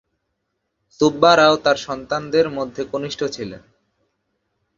সুব্বা রাও তার সন্তানের মধ্যে কনিষ্ঠ ছিলেন।